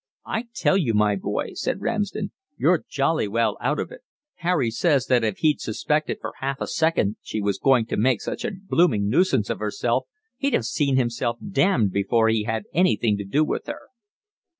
"I tell you, my boy," said Ramsden, "you're jolly well out of it. Harry says that if he'd suspected for half a second she was going to make such a blooming nuisance of herself he'd have seen himself damned before he had anything to do with her."